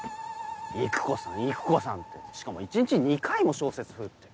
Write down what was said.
郁子さん郁子さんってしかも一日２回も小説風って。